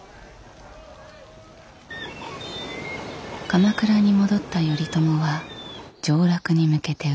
鎌倉に戻った頼朝は上洛に向けて動き出す。